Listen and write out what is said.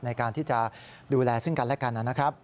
ในการที่จะดูแลซึ่งกันและกันนะครับ